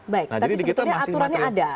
baik tapi sebetulnya aturannya ada